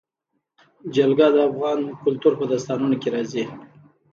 جلګه د افغان کلتور په داستانونو کې راځي.